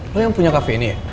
lo yang punya kafe ini ya